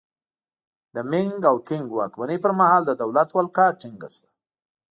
د مینګ او کینګ واکمنۍ پرمهال د دولت ولکه ټینګه شوه.